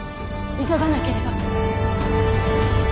急がなければ。